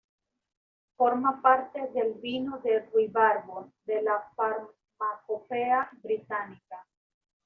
Forma parte del vino de Ruibarbo de la farmacopea británica.